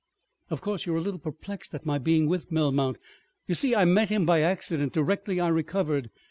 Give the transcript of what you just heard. ... Of course, you're a little perplexed at my being with Melmount. You see I met him—by accident—directly I recovered.